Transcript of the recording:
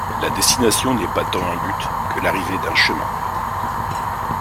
La destination n’est pas tant un but que l’arrivée d’un chemin.